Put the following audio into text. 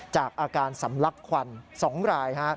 จากอาการสำลักควัน๒ราย